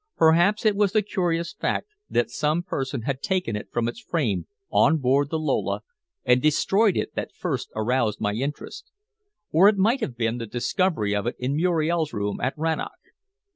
Perhaps it was the curious fact that some person had taken it from its frame on board the Lola and destroyed it that first aroused my interest; or it might have been the discovery of it in Muriel's room at Rannoch.